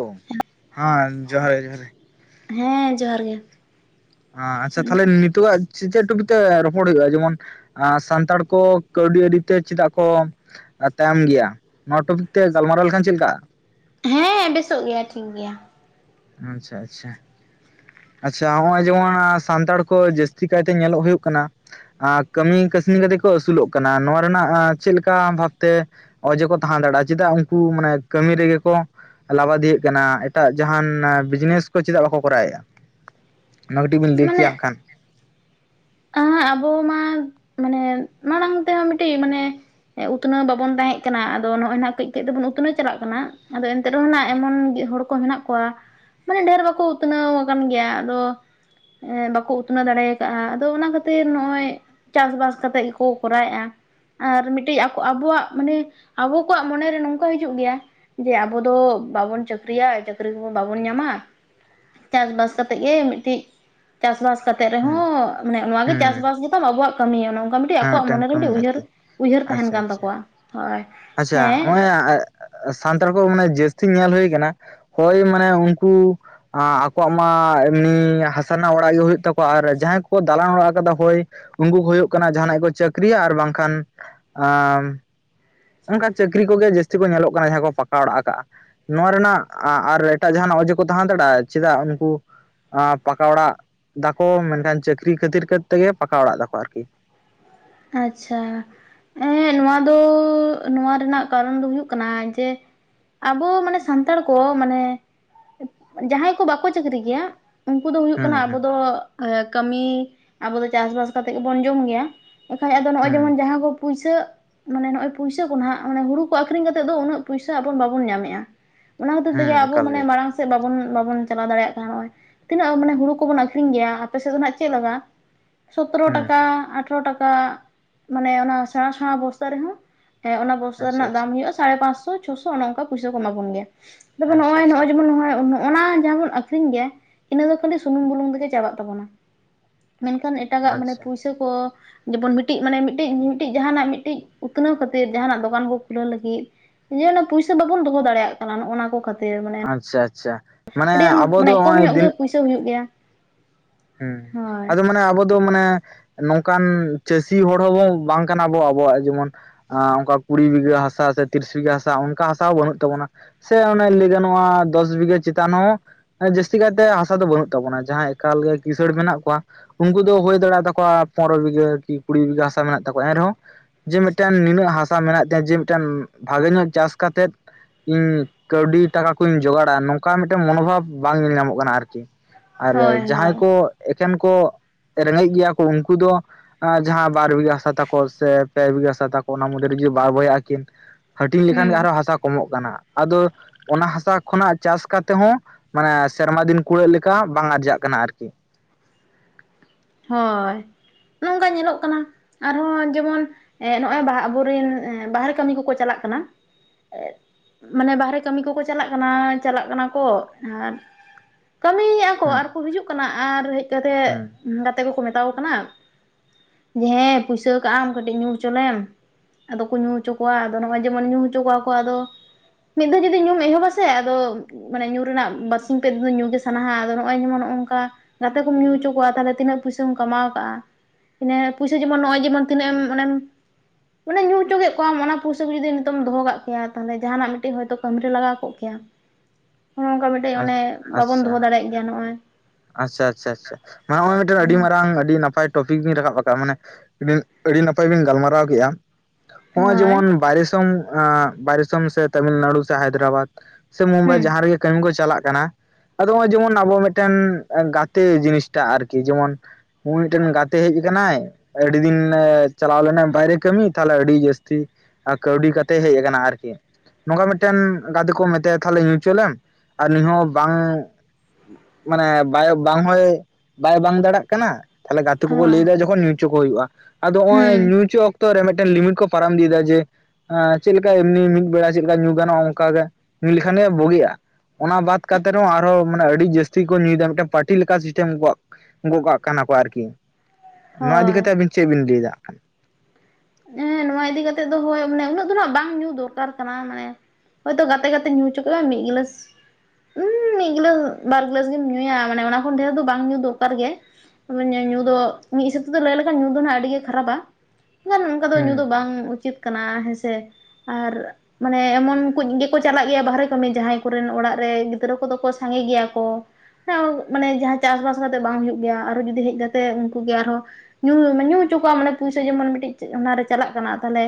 ᱳ ᱦᱟᱸ ᱡᱚᱦᱟᱨ ᱜᱮ ᱡᱚᱦᱟᱨ ᱜᱮ᱾ ᱦᱮᱸ ᱡᱚᱦᱟᱨ ᱜᱮ᱾ ᱟᱪᱪᱷᱟ ᱛᱟᱦᱚᱞᱮ ᱱᱤᱛᱚᱜ ᱟᱜ ᱪᱤᱛᱟ [inaudible] ᱨᱚᱯᱚᱲ ᱦᱩᱭᱩᱜᱼᱟ ᱡᱮᱢᱚᱱ ᱥᱟᱱᱛᱟᱲ ᱠᱚ ᱠᱟᱹᱣᱰᱤ ᱟᱹᱰᱤᱛᱮ ᱪᱮᱫᱟᱜ ᱠᱚ ᱟᱨ ᱛᱟᱭᱚᱢ ᱜᱮᱭᱟ ᱱᱚᱣᱟ ᱴᱚᱯᱤᱠ ᱛᱮ ᱜᱟᱞᱢᱟᱨᱟᱣ ᱞᱮᱠᱷᱟᱱ ᱪᱮᱫ ᱞᱮᱠᱟ-ᱟ? ᱦᱮᱸ ᱵᱮᱥᱚᱜ ᱜᱮᱭᱟ ᱴᱷᱤᱠ ᱜᱮᱭᱟ ᱾ ᱟᱪᱪᱷᱟ ᱟᱪᱪᱷᱟ᱾ ᱟᱪᱪᱷᱟ ᱦᱚᱸᱜ-ᱚᱭ ᱡᱮᱢᱚᱱ ᱥᱟᱱᱛᱟᱲ ᱠᱚ ᱡᱟᱹᱥᱛᱤ ᱠᱟᱭᱛᱮ ᱧᱮᱞᱚᱜ ᱦᱩᱭᱩᱜ ᱠᱟᱱᱟ ᱠᱟᱹᱢᱤ ᱠᱟᱹᱥᱱᱤ ᱠᱟᱛᱮ ᱠᱚ ᱟᱹᱥᱩᱞᱚᱜ ᱠᱟᱱᱟ ᱱᱚᱣᱟ ᱨᱮᱱᱟᱜ ᱪᱮᱫ ᱞᱮᱠᱟ ᱵᱷᱟᱵᱛᱮ ᱦᱚ-ᱚᱭ ᱡᱮ ᱠᱚ ᱛᱟᱦᱮᱸ ᱫᱟᱲᱮᱭᱟᱜ-ᱟ ᱪᱮᱫᱟᱜ ᱩᱱᱠᱩ ᱢᱟᱱᱮ ᱠᱟᱹᱢᱤ ᱨᱮᱜᱮ ᱠᱚ ᱞᱟᱵᱟᱫᱤᱭᱜ ᱠᱟᱱᱟ ᱮᱴᱟᱜ ᱡᱟᱦᱟᱱ ᱚᱱᱟ ᱵᱤᱡᱽᱱᱮᱥ ᱠᱚ ᱪᱮᱫᱟᱜ ᱵᱟᱠᱚ ᱠᱚᱨᱟᱣᱮᱫ-ᱟ ᱚᱱᱟ ᱠᱟᱹᱴᱤᱡ ᱵᱮᱱ ᱞᱟᱹᱭ ᱠᱮᱭᱟ ᱠᱷᱟᱱ? ᱟᱸ ᱟᱵᱚ ᱢᱟᱱᱮ ᱢᱟᱲᱟᱝ ᱛᱮᱦᱚᱸ ᱢᱤᱫᱴᱤᱡ ᱢᱟᱱᱮ ᱩᱛᱱᱟᱹᱣ ᱵᱟᱵᱚᱱ ᱛᱟᱦᱮᱸ ᱠᱟᱱᱟ ᱟᱫᱚ ᱱᱚᱭ ᱱᱟᱜ ᱠᱟᱹᱡ ᱠᱟᱹᱡ ᱛᱮᱵᱚᱱ ᱩᱛᱱᱟᱹᱣ ᱪᱟᱞᱟᱜ ᱠᱟᱱᱟ᱾ ᱟᱫᱚ ᱮᱱᱛᱮ ᱨᱮᱦᱚᱸ ᱱᱟᱜ ᱮᱢᱚᱱ ᱜᱤ ᱦᱚᱲ ᱠᱚ ᱢᱮᱱᱟᱜ ᱠᱚᱣᱟ᱾ ᱢᱟᱱᱮ ᱰᱷᱮᱨ ᱵᱟᱠᱚ ᱩᱛᱱᱟᱹᱣ ᱟᱠᱟᱱ ᱜᱮᱭᱟ ᱟᱫᱚ ᱮᱸ ᱵᱟᱠᱚ ᱩᱛᱱᱟᱹᱣ ᱫᱟᱲᱮᱣ ᱠᱟᱜᱼᱟ᱾ ᱫᱚ ᱟᱫᱚ ᱚᱱᱟ ᱠᱷᱟᱹᱛᱤᱨ ᱱᱚᱜᱼᱚᱭ ᱪᱟᱥ ᱵᱟᱥ ᱠᱟᱛᱮᱜ ᱜᱮᱠᱚ ᱠᱚᱨᱟᱣᱮᱫ-ᱟ᱾ ᱟᱨ ᱢᱤᱫᱴᱮᱡ ᱟᱠᱚ ᱟᱵᱚᱣᱟᱜ ᱢᱟᱱᱮ ᱟᱵᱚ ᱠᱚᱣᱟᱜ ᱢᱚᱱᱮᱨᱮ ᱱᱚᱝᱠᱟ ᱦᱤᱡᱩᱜ ᱜᱮᱭᱟ ᱡᱮ ᱟᱵᱚ ᱫᱚ ᱵᱟᱵᱚᱱ ᱪᱟᱹᱠᱨᱤᱭᱟ ᱪᱟᱹᱠᱨᱤ ᱠᱚᱵᱚᱱ ᱵᱟᱵᱚᱱ ᱧᱟᱢᱟ᱾ ᱪᱟᱥ-ᱵᱟᱥ ᱠᱟᱛᱮᱫ ᱜᱮ ᱢᱤᱫᱴᱤᱡ ᱪᱟᱥ-ᱵᱟᱥ ᱠᱟᱛᱮ ᱦᱮᱸ ᱨᱮᱦᱚᱸ ᱢᱟᱱᱮ ᱱᱚᱣᱟ ᱜᱮ ᱦᱮᱸ ᱪᱟᱥ-ᱵᱟᱥ ᱜᱮᱛᱟᱢ ᱟᱵᱚᱣᱟᱜ ᱠᱟᱹᱢᱤ ᱚᱱᱚ-ᱚᱝᱠᱟ ᱵᱤᱱ ᱴᱤᱡ ᱦᱮᱸ ᱟᱠᱚᱣᱟᱜ ᱢᱤᱫᱴᱟᱝ ᱢᱚᱱᱮ ᱨᱮ ᱢᱤᱫᱴᱤᱡ ᱠᱟᱹᱢᱤ ᱩᱭᱦᱟᱹᱨ ᱟᱨᱠᱤ ᱩᱭᱦᱟᱹᱨ ᱛᱟᱦᱮᱸᱱ ᱟᱪᱪᱷᱟ ᱠᱟᱱ ᱟᱪᱪᱷᱟ ᱛᱟᱠᱚᱣᱟ᱾ ᱦᱳᱭ᱾ ᱟᱪᱪᱷᱟ, ᱦᱮᱸ ᱱᱚᱜᱼᱚᱭ ᱟ ᱥᱟᱱᱛᱟᱲ ᱠᱚ ᱢᱟᱱᱮ ᱡᱟᱹᱥᱛᱤ ᱧᱮᱞ ᱦᱩᱭ ᱟᱠᱟᱱᱟ ᱦᱳᱭ ᱢᱟᱱᱮ ᱩᱱᱠᱩ ᱟ ᱟᱠᱚᱣᱟᱜ ᱢᱟ ᱮᱢᱱᱤ ᱦᱟᱥᱟ ᱨᱮᱱᱟᱜ ᱚᱲᱟᱜ ᱜᱮ ᱦᱩᱭᱩᱜ ᱛᱟᱠᱚᱣᱟ ᱟᱨ ᱡᱟᱦᱟᱸᱭ ᱠᱚᱠᱚ ᱫᱟᱞᱟᱱ ᱚᱲᱟᱜ ᱠᱟᱫᱟ ᱦᱳᱭ ᱩᱱᱠᱩ ᱠᱚ ᱦᱩᱭᱩᱜ ᱠᱟᱱᱟ ᱡᱟᱦᱟᱸᱱᱟᱜ ᱜᱮᱠᱚ ᱪᱟᱹᱠᱨᱤᱭᱟ ᱟᱨ ᱵᱟᱝᱠᱷᱟᱱ ᱮᱢ ᱚᱱᱠᱟᱱ ᱪᱟᱹᱠᱨᱤ ᱠᱚᱜᱮ ᱡᱟᱹᱥᱛᱤ ᱠᱚ ᱧᱮᱞᱚᱜ ᱠᱟᱱᱟ ᱡᱟᱦᱟᱸᱭ ᱠᱚ ᱯᱟᱠᱟ ᱚᱲᱟᱜ ᱟᱠᱟᱟᱜᱼᱟ᱾ ᱱᱚᱣᱟ ᱨᱮᱱᱟᱜ ᱟ-ᱟᱨ ᱮᱴᱟᱜ ᱡᱟᱦᱟᱸᱱᱟᱜ ᱚᱡᱮ ᱠᱚ ᱛᱟᱦᱮᱸ ᱫᱟᱲᱮᱭᱟᱜᱼᱟ, ᱪᱮᱫᱟᱜ ᱩᱱᱠᱩ ᱟᱸ ᱯᱟᱠᱟ ᱚᱲᱟᱜ ᱫᱟᱠᱚ ᱢᱮᱱᱠᱷᱟᱱ ᱪᱟᱹᱠᱨᱤ ᱠᱷᱟᱹᱛᱤᱨ ᱠᱟᱛᱛᱮᱜᱮ ᱯᱟᱠᱟ ᱚᱲᱟᱜ ᱫᱟᱠᱚ ᱟᱨᱠᱤ᱾ ᱟᱪᱪᱷᱟ᱾ ᱮᱦᱮᱸ ᱱᱚᱣᱟ ᱫᱚᱻ ᱱᱚᱣᱟ ᱨᱮᱱᱟᱜ ᱠᱟᱨᱚᱱ ᱫᱚ ᱦᱩᱭᱩᱜ ᱠᱟᱱᱟ ᱡᱮ ᱟᱵᱚ ᱢᱟᱱᱮ ᱥᱟᱱᱛᱟᱲ ᱠᱚ ᱢᱟᱱᱮ ᱡᱟᱦᱟᱸᱭ ᱠᱚ ᱵᱟᱠᱚ ᱪᱟᱹᱠᱨᱤ ᱜᱮᱭᱟ ᱩᱱᱠᱩ ᱫᱚ ᱦᱩᱭᱩᱜ ᱦᱮᱸ ᱠᱟᱱᱟ ᱟᱵᱚ ᱦᱮᱸ ᱫᱚ ᱮ ᱠᱟᱹᱢᱤ ᱟᱵᱚ ᱫᱚ ᱪᱟᱥ-ᱵᱟᱥ ᱠᱟᱛᱮᱜ ᱜᱮᱵᱚᱱ ᱡᱚᱢ ᱜᱮᱭᱟ᱾ ᱮᱱᱠᱷᱟᱭ ᱟᱫᱚ ᱱᱚᱜᱼᱚᱭ ᱦᱮᱸ ᱡᱮᱢᱚᱱ ᱡᱟᱦᱟᱸ ᱠᱚ ᱯᱩᱭᱥᱟᱹ ᱢᱟᱱᱮ ᱱᱚᱜᱼᱚᱭ ᱯᱚᱭᱥᱟᱹ ᱠᱚ ᱱᱟᱦᱟᱜ ᱢᱟᱱᱮ ᱦᱩᱲᱩ ᱠᱚ ᱟᱠᱷᱨᱤᱧ ᱠᱟᱛᱮᱫ ᱫᱚ ᱩᱱᱟᱹᱜ ᱯᱚᱭᱥᱟᱹ ᱟᱵᱚᱱ ᱵᱟᱵᱚᱱ ᱧᱟᱢᱮᱜᱼᱟ᱾ ᱚᱱᱟ ᱠᱷᱟᱹᱛᱤᱨ ᱦᱮᱸ ᱛᱮᱜᱮ ᱟᱵᱚ ᱮᱠᱟᱞ ᱢᱟᱱᱮ ᱜᱮ ᱢᱟᱲᱟᱝ ᱥᱮᱫ ᱵᱟᱵᱚᱱ ᱵᱟᱵᱚᱱ ᱪᱟᱞᱟᱣ ᱫᱟᱲᱮᱭᱟᱜ ᱠᱟᱱᱟ ᱱᱚᱜᱼᱚᱭ᱾ ᱛᱤᱱᱟᱹᱜ ᱟ ᱢᱟᱱᱮ ᱦᱩᱲᱩ ᱠᱚᱵᱚᱱ ᱟᱠᱷᱨᱤᱧ ᱜᱮᱭᱟ ᱟᱯᱮ ᱥᱮᱫ ᱫᱚ ᱱᱟᱦᱟᱜ ᱪᱮᱫ ᱞᱟᱜᱟᱼᱟ ᱥᱚᱛᱨᱚ ᱴᱟᱠᱟ, ᱦᱮᱸ ᱟᱴᱷᱮᱨᱚ ᱴᱟᱠᱟ᱾ ᱠᱟ ᱢᱟᱱᱮ ᱚᱱᱟ ᱥᱮᱬᱟᱸ ᱥᱮᱬᱟᱸ ᱵᱚᱥᱛᱟ ᱨᱮᱦᱚᱸ ᱮᱸ ᱚᱱᱟ ᱦᱮᱸ ᱵᱚᱥᱛᱟ ᱟᱪᱪᱷᱟ ᱨᱮᱱᱟᱜ ᱟᱪᱪᱷᱟ ᱫᱟᱢ ᱦᱩᱭᱩᱜᱼᱟ ᱥᱟᱲᱮ ᱯᱟᱸᱥᱥᱚ, ᱪᱷᱚᱥᱚ ᱚᱱᱮ ᱚᱱᱠᱟ ᱯᱩᱭᱥᱟᱹ ᱠᱚ ᱮᱢᱟ ᱵᱚᱱ ᱜᱮᱭᱟ᱾ ᱛᱚᱵᱮ ᱟᱪᱪᱷᱟ ᱱᱚᱜᱼᱚᱭ ᱱᱚᱜᱼᱚᱭ ᱟᱪᱪᱷᱟ ᱡᱮᱢᱚᱱ ᱩᱱᱟᱹᱜ ᱚᱱᱟ ᱡᱟᱦᱟᱸ ᱵᱚᱱ ᱟᱹᱷᱨᱤᱧ ᱜᱮᱭᱟ ᱤᱱᱟᱹ ᱫᱚ ᱠᱷᱟᱹᱞᱤ ᱥᱩᱱᱩᱢ ᱵᱩᱞᱩᱝ ᱛᱮᱜᱮ ᱪᱟᱵᱟᱜ ᱛᱟᱵᱚᱱᱟ᱾ ᱢᱮᱱᱠᱷᱟᱱ ᱮᱴ ᱮᱴᱟᱜᱟᱜ ᱢᱟᱱᱮ ᱟᱪᱪᱷᱟ ᱯᱩᱭᱥᱟᱹ ᱠᱚ ᱡᱮᱢᱚᱱ ᱢᱤᱫᱴᱤᱡ ᱢᱟᱱᱮ ᱢᱤᱫᱴᱤᱡ ᱢᱤᱫᱴᱤᱡ ᱡᱟᱦᱟᱸᱱᱟᱜ ᱢᱤᱫᱴᱤᱡ ᱩᱛᱱᱟᱹᱣ ᱠᱷᱟᱹᱛᱤᱨ ᱡᱟᱦᱟᱸᱱᱟᱜ ᱫᱚᱠᱟᱱ ᱠᱚ ᱠᱷᱩᱞᱟᱹᱣ ᱞᱟᱹᱜᱤᱫ ᱡᱮ ᱚᱱᱮ ᱯᱩᱭᱥᱟᱹ ᱵᱟᱵᱚᱱ ᱫᱚᱦᱚ ᱫᱟᱲᱮᱭᱟᱜ ᱠᱟᱱᱟ᱾ ᱱᱚᱜ-ᱚᱱᱟ ᱠᱚ ᱠᱷᱟᱹᱛᱤᱨ ᱢᱟᱱᱮ ᱟᱪᱪᱷᱟ ᱟᱪᱪᱷᱟ, ᱢᱟᱱᱮ ᱟᱵᱚ ᱫᱚ ᱱᱚᱜᱼᱚᱭ ᱫᱤᱱ ᱛᱟᱹᱣ ᱦᱩᱭᱩᱜ ᱜᱮᱭᱟ᱾ ᱦᱮᱸ᱾ ᱦᱳᱭ ᱟᱫᱚ ᱢᱟᱱᱮ ᱟᱵᱚ ᱫ ᱫᱚ ᱢᱟᱱᱮ ᱱᱚᱝᱠᱟᱱ ᱪᱟᱹᱥᱤ ᱦᱚᱲ ᱦᱚᱸᱵᱚ ᱵᱟᱝ ᱠᱟᱱᱟ ᱵᱚ ᱟᱵᱚᱣᱟᱜ ᱡᱮᱢᱚᱱ ᱚᱱᱠᱟ ᱠᱩᱲᱤ ᱵᱤᱜᱷᱟᱹ ᱦᱟᱥᱟ ᱥᱮ ᱛᱤᱨᱤᱥ ᱵᱤᱜᱷᱟᱹ ᱦᱟᱥᱟ ᱚᱱᱠᱟ ᱦᱟᱥᱟ ᱦᱚᱸ ᱵᱟᱹᱱᱩᱜ ᱛᱟᱵᱚᱱᱟ᱾ ᱥᱮ ᱚᱱᱮ ᱞᱟᱹᱭ ᱜᱟᱱᱚᱜᱼᱟ ᱫᱚᱥ ᱵᱤᱜᱷᱟᱹ ᱪᱮᱛᱟᱱ ᱦᱚᱸ ᱟ ᱡᱟᱹᱥᱛᱤ ᱠᱟᱭᱛᱮ ᱦᱟᱥᱟ ᱫᱚ ᱵᱟᱹᱱᱩᱜ ᱛᱟᱵᱚᱱᱟ᱾ ᱡᱟᱦᱟᱸᱭ ᱮᱠᱟᱞ ᱜᱮ ᱠᱤᱥᱟᱹᱲ ᱢᱮᱱᱟᱜ ᱠᱚᱣᱟ, ᱩᱱᱠᱩ ᱫᱚ ᱦᱳᱭ ᱫᱟᱲᱮ ᱛᱟᱠᱚᱣᱟ ᱯᱚᱱᱮᱨᱚ ᱵᱤᱜᱷᱟᱹ ᱠᱤ ᱠᱩᱲᱤ ᱵᱤᱜᱷᱟᱹ ᱦᱟᱥᱟ ᱢᱮᱱᱟᱜ ᱛᱟᱠᱚᱣᱟ᱾ ᱮᱱᱨᱮᱦᱚᱸ ᱡᱮ ᱢᱤᱫᱴᱮᱱ ᱱᱤᱱᱟᱹᱜ ᱦᱟᱥᱟ ᱢᱮᱱᱟᱜ ᱛᱤᱧᱟ ᱡᱮ ᱢᱤᱫᱴᱮᱱ ᱵᱷᱟᱜᱮ ᱧᱚᱜ ᱪᱟᱥ ᱠᱟᱛᱮᱫ ᱤᱧ ᱠᱟᱹᱣᱰᱤ ᱴᱟᱠᱟ ᱠᱚᱧ ᱡᱚᱜᱟᱲᱟ, ᱱᱚᱝᱠᱟ ᱢᱤᱫᱴᱮᱱ ᱢᱚᱱᱳᱵᱷᱟᱵᱽ ᱵᱟᱝ ᱧᱮᱞ ᱧᱟᱢᱚᱜ ᱠᱟᱱᱟ ᱟᱨᱠᱤ᱾ ᱟᱨ ᱦᱳᱭ ᱡᱟᱦᱟᱸᱭ ᱦᱳᱭ ᱠᱚ ᱮᱠᱷᱮᱱ ᱠᱚ ᱨᱮᱸᱜᱮᱡ ᱜᱮᱭᱟ ᱠᱚ ᱩᱱᱠᱩ ᱫᱚ ᱡᱟᱦᱟᱸ ᱵᱟᱨ ᱵᱤᱜᱷᱟᱹ ᱦᱟᱥᱟ ᱛᱟᱠᱚ ᱥᱮ ᱯᱮ ᱵᱤᱜᱷᱟᱹ ᱦᱟᱥᱟ ᱛᱟᱠᱚ ᱚᱱᱟ ᱢᱚᱫᱽᱫᱷᱮ ᱨᱮ ᱡᱩᱫᱤ ᱵᱟᱨ ᱵᱚᱭᱦᱟ ᱟᱹᱠᱤᱱ ᱦᱟᱹᱴᱤᱧ ᱞᱮᱠᱷᱟᱱ ᱜᱮ ᱦᱩᱸ ᱟᱨᱦᱚᱸ ᱦᱟᱥᱟ ᱠᱚᱢᱚᱜ ᱠᱟᱱᱟ᱾ ᱟᱫᱚ ᱚᱱᱟ ᱦᱟᱥᱟ ᱠᱷᱚᱱᱟᱜ ᱪᱟᱥ ᱠᱟᱛᱮ ᱦᱚᱸ ᱢᱟᱱᱮ ᱥᱮᱨᱢᱟ ᱫᱤᱱ ᱠᱩᱲᱟᱹᱜ ᱞᱮᱠᱟ ᱵᱟᱝ ᱟᱨᱡᱟᱜ ᱠᱟᱱᱟ ᱟᱨᱠᱤ᱾ ᱪᱮᱫ? ᱦᱳᱭ, ᱱᱚᱝᱠᱟ ᱧᱮᱞᱚᱜ ᱠᱟᱱᱟ᱾ ᱟᱨᱦᱚᱸ ᱡᱮᱢᱚᱱ ᱮᱸ ᱱᱚᱜᱚᱭ ᱵᱟᱦᱟ ᱟᱵᱚᱨᱮᱱ ᱮᱸ ᱵᱟᱦᱨᱮ ᱠᱟᱹᱢᱤ ᱠᱚᱠᱚ ᱪᱟᱞᱟᱜ ᱠᱟᱱᱟ᱾ ᱢᱟᱱᱮ ᱵᱟᱦᱨᱮ ᱠᱟᱹᱢᱤ ᱠᱚᱠᱚ ᱪᱟᱞᱟᱜ ᱠᱟᱱᱟ ᱪᱟᱞᱟᱜ ᱠᱟᱱᱟ ᱠᱚ ᱟᱨ ᱠᱟᱹᱢᱤᱭᱮᱜ-ᱟ ᱠᱚ ᱦᱩᱸ ᱟᱨᱠᱚ ᱦᱤᱡᱩᱜ ᱠᱟᱱᱟ ᱟᱨ ᱦᱮᱡ ᱠᱟᱛᱮᱫ ᱦᱩᱸ ᱜᱟᱛᱮ ᱠᱚᱠᱚ ᱢᱮᱛᱟᱠᱚ ᱠᱟᱱᱟ ᱡᱮ ᱦᱮᱸ ᱯᱩᱭᱥᱟᱹ ᱠᱟᱜᱟᱢ ᱠᱟᱹᱴᱤᱡ ᱧᱩ ᱦᱚᱪᱚ ᱞᱮᱢ᱾ ᱟᱫᱚ ᱠᱚ ᱧᱩ ᱦᱚᱪᱚ ᱠᱚᱣᱟ ᱟᱫᱚ ᱱᱚᱜᱚᱭ ᱡᱮᱢᱚᱱ ᱧᱩ ᱦᱚᱪᱚ ᱠᱚᱣᱟ ᱠᱚ ᱟᱫᱚ ᱢᱤᱫᱷᱟᱣ ᱡᱩᱫᱤ ᱧᱩᱢ ᱮᱦᱚᱵᱟ ᱥᱮ ᱟᱫᱚ ᱢᱟᱱᱮ ᱧᱩ ᱨᱮᱱᱟᱜ ᱵᱟᱨᱥᱤᱧ ᱯᱮ ᱫᱤᱱ ᱧᱩ ᱜᱮ ᱥᱟᱱᱟᱣᱟ ᱟᱫᱚ ᱱᱚᱜᱚᱭ ᱡᱮᱢᱚᱱ ᱱᱚᱜᱚᱝᱠᱟ ᱜᱟᱛᱮ ᱠᱚᱢ ᱧᱩ ᱦᱚᱪᱚ ᱠᱚᱣᱟ ᱛᱟᱦᱟᱞᱮ ᱛᱤᱱᱟᱹᱜ ᱯᱩᱭᱥᱟᱹᱢ ᱠᱟᱢᱟᱣ ᱠᱟᱜᱟ, ᱛᱤᱱᱮ ᱯᱩᱭᱥᱟᱹ ᱡᱮᱢᱚᱱ ᱱᱚᱜᱚᱭ ᱡᱮᱢᱚᱱ ᱛᱤᱱᱟᱹᱜ ᱮᱢ ᱚᱱᱮᱢ ᱚᱱᱮ ᱧᱩ ᱦᱚᱪᱚ ᱠᱮᱜ ᱠᱚᱣᱟᱢ ᱚᱱᱟ ᱯᱩᱭᱥᱟᱹ ᱠᱚ ᱡᱩᱫᱤᱢ ᱱᱤᱛᱳᱜᱮᱢ ᱫᱚᱦᱚ ᱠᱟᱜ ᱠᱮᱭᱟ, ᱛᱟᱦᱟᱞᱮ ᱡᱟᱦᱟᱱᱟᱜ ᱢᱤᱫ ᱴᱤᱡ ᱦᱳᱭᱛᱚ ᱠᱟᱹᱢᱤ ᱨᱮ ᱞᱟᱜᱟᱣ ᱠᱚᱜ ᱠᱮᱭᱟ ᱚᱱᱚ ᱚᱝᱠᱟ ᱢᱤᱫ ᱴᱮᱡ ᱚᱱᱮ ᱵᱟᱵᱚᱱ ᱫᱚᱦᱚ ᱟᱪᱪᱷᱟ ᱫᱟᱲᱮᱭᱟᱜ ᱜᱮᱭᱟ, ᱱᱚᱜᱚᱭ ᱟᱪᱪᱷᱟ ᱟᱪᱪᱷᱟ ᱟᱪᱪᱷᱟ ᱢᱟ ᱱᱚᱜᱚᱭ ᱢᱤᱫ ᱴᱮᱱ ᱟᱹᱰᱤ ᱢᱟᱨᱟᱝ ᱟᱹᱰᱤ ᱱᱟᱯᱟᱭ ᱴᱚᱯᱤᱠ ᱵᱤᱱ ᱨᱟᱠᱟᱵ ᱠᱟᱜᱟ, ᱢᱟᱱᱮ ᱟᱹᱰᱤ ᱱᱟᱯᱟᱭ ᱵᱤᱱ ᱜᱟᱞᱢᱟᱨᱟᱣ ᱠᱮᱜᱟ᱾ ᱦᱚᱸᱜᱚᱭ ᱦᱳᱭ ᱡᱮᱢᱚᱱ ᱵᱟᱭᱨᱮ ᱫᱤᱥᱚᱢ ᱟᱸ ᱵᱟᱭᱨᱮ ᱫᱤᱥᱚᱢ ᱥᱮ ᱛᱟᱢᱤᱞᱱᱟᱲᱩ ᱥᱮ ᱦᱟᱭᱫᱨᱟᱵᱟᱫᱽ ᱥᱮ ᱢᱩᱢᱵᱟᱭ ᱦᱩᱸ ᱡᱟᱦᱟᱸ ᱨᱮᱜᱮ ᱠᱟᱹᱢᱤ ᱠᱚ ᱪᱟᱞᱟᱜ ᱠᱟᱱᱟ ᱟᱫᱚ ᱦᱚᱸᱜᱚᱭ ᱡᱚᱢᱚᱱ ᱟᱵᱚ ᱢᱮᱫᱴᱮᱱ ᱜᱟᱛᱮ ᱡᱤᱱᱤᱥᱴᱟᱜ ᱟᱨᱠᱤ ᱡᱮᱢᱚᱱ ᱦᱩᱸᱜᱩᱭ ᱢᱤᱫᱴᱮᱱ ᱜᱟᱛᱮ ᱦᱮᱡ ᱠᱟᱱᱟᱭ ᱟᱹᱰᱤ ᱫᱤᱱ ᱪᱟᱞᱟᱣ ᱞᱮᱱᱟᱭ ᱵᱟᱭᱨᱮ ᱠᱟᱹᱢᱤ ᱛᱟᱦᱟᱞᱮ ᱟᱹᱰᱤ ᱡᱟᱹᱥᱛᱤ ᱠᱟᱹᱣᱰᱤ ᱠᱟᱛᱮᱡ ᱦᱮᱡ ᱠᱟᱱᱟ ᱟᱨᱠᱤ᱾ ᱱᱚᱝᱠᱟ ᱢᱤᱫᱴᱮᱱ ᱜᱟᱛᱮ ᱠᱚ ᱢᱮᱛᱟᱭᱟ ᱛᱟᱦᱟᱞᱮ ᱧᱩ ᱦᱚᱪᱚ ᱞᱮᱢ ᱟᱨ ᱱᱩᱭ ᱦᱚᱸ ᱵᱟᱝ ᱢᱟᱱᱮ ᱵᱟᱭ ᱵᱟᱝ ᱦᱚᱭ ᱵᱟᱭ ᱵᱟᱝ ᱫᱟᱲᱮᱜ ᱠᱟᱱᱟ, ᱛᱟᱦᱟᱞᱮ ᱜᱟᱛᱮ ᱠᱚᱠᱚ ᱦᱚᱸ ᱞᱟᱹᱭᱫᱟ ᱡᱚᱠᱷᱚᱱ ᱧᱩ ᱦᱚᱪᱚ ᱠᱚ ᱦᱩᱭᱩᱜ-ᱟ᱾ ᱟᱫᱚ ᱦᱚᱜᱚᱭ ᱦᱩᱸ ᱧᱩ ᱦᱚᱪᱚ ᱚᱠᱛᱚ ᱨᱮ ᱢᱮᱫᱴᱮᱱ ᱞᱤᱢᱤᱴ ᱠᱚ ᱯᱟᱨᱚᱢ ᱤᱫᱤᱫᱟ ᱡᱮ ᱟᱸ ᱪᱮᱫ ᱞᱮᱠᱟ ᱮᱢᱱᱤ ᱢᱤᱫ ᱵᱮᱲᱟ ᱪᱮᱫ ᱞᱮᱠᱟ ᱧᱩ ᱜᱟᱱᱚᱜ-ᱟ ᱚᱝᱠᱟ ᱜᱮ [unintelligible] ᱞᱮᱠᱷᱟᱱ ᱜᱮ ᱵᱩᱜᱮᱜ-ᱟ᱾ ᱚᱱᱟ ᱵᱟᱛ ᱠᱟᱛᱮ ᱨᱮᱦᱚᱸ ᱟᱨᱦᱚᱸ ᱢᱟᱱᱮ ᱟᱹᱰᱤ ᱡᱟᱹᱥᱛᱤ ᱠᱚ ᱧᱩᱭ ᱫᱟ ᱢᱤᱫ ᱴᱟᱱ ᱯᱟᱴᱤ ᱞᱮᱠᱟ ᱥᱤᱥᱴᱮᱢ ᱜᱚᱜ ᱜᱚᱜ ᱠᱟᱜ ᱠᱟᱱᱟ ᱠᱚ ᱟᱨᱠᱤ, ᱱᱚᱣᱟ ᱤᱫᱤ ᱦᱳᱭ ᱠᱟᱛᱮ ᱟᱵᱤᱱ ᱪᱮᱜ ᱵᱤᱱ ᱞᱮ ᱫᱟ? ᱮᱸ ᱱᱚᱣᱟ ᱤᱫᱤ ᱠᱟᱛᱮᱜ ᱫᱚ ᱦᱳᱭ ᱢᱟᱱᱮ ᱩᱱᱟᱹᱜ ᱫᱚ ᱱᱟᱜ ᱵᱟᱝ ᱧᱩ ᱫᱚᱨᱠᱟᱨ ᱠᱟᱱᱟ, ᱢᱟᱱᱮ ᱦᱳᱭ ᱛᱚ ᱜᱟᱛᱮ ᱜᱟᱛᱮ ᱧᱩ ᱦᱚᱪᱚ [unintelligible] ᱢᱤᱫ ᱜᱮᱞᱟᱥ᱾ ᱩᱸ ᱢᱤᱫ ᱜᱮᱞᱟᱥ ᱵᱟᱨ ᱜᱮᱞᱟᱥ ᱜᱮᱢ ᱧᱩᱭᱟ, ᱢᱟᱱᱮ ᱚᱱᱟ ᱠᱷᱚᱱ ᱰᱷᱮᱨ ᱫᱚ ᱵᱟᱝ ᱧᱩ ᱫᱚᱨᱠᱟᱨ ᱜᱮ᱾ [unintelligible] ᱧᱩ ᱫᱚ ᱢᱤᱫ ᱥᱤᱥᱟᱹᱯᱛᱮ ᱫᱚ ᱞᱟᱹᱭ ᱞᱮᱠᱷᱟᱱ ᱧᱩ ᱫᱚ ᱱᱟᱜ ᱟᱹᱰᱤ ᱜᱮ ᱠᱷᱟᱨᱟᱯ-ᱟ᱾ ᱮᱠᱷᱟᱱ ᱚᱝᱠᱟ ᱫᱚ ᱦᱩᱸ ᱧᱩ ᱫᱚ ᱵᱟᱝ ᱦᱩᱸ ᱩᱪᱤᱛ ᱠᱟᱱᱟ ᱦᱮᱸᱥᱮ ᱟᱨ ᱢᱟᱱᱮ ᱮᱢᱚᱱ ᱠᱚᱡ ᱜᱮᱠᱚ ᱪᱟᱞᱟᱜ ᱜᱮᱭᱟ ᱵᱟᱦᱨᱮ ᱠᱟᱹᱢᱤ ᱡᱟᱦᱟᱸᱭ ᱠᱚᱨᱮᱱ ᱚᱲᱟᱜ ᱨᱮ ᱜᱤᱫᱽᱨᱟᱹ ᱠᱚᱫᱚ ᱠᱚ ᱥᱟᱸᱜᱮ ᱜᱮᱭᱟ ᱠᱚ᱾ ᱦᱮᱸ ᱢᱟᱱᱮ ᱡᱟᱦᱟᱸ ᱪᱟᱥ ᱵᱟᱥ ᱠᱟᱛᱮᱜ ᱵᱟᱝ ᱦᱩᱭᱩᱜ ᱜᱮᱭᱟ ᱟᱨᱦᱚᱸ ᱡᱩᱫᱤ ᱦᱮᱡ ᱠᱟᱛᱮᱜ ᱩᱝᱠᱩ ᱜᱮ ᱟᱨᱦᱚᱸ ᱧᱩ ᱢᱟ ᱧᱩ ᱦᱚᱪᱚ ᱠᱚᱣᱟᱢ ᱢᱟᱱᱮ ᱯᱩᱭᱥᱟ ᱡᱮᱢᱚᱱ ᱢᱤᱫ ᱴᱤᱡ ᱚᱱᱟᱨᱮ ᱪᱟᱞᱟᱜ ᱠᱟᱱᱟ ᱛᱟᱦᱟᱞᱮ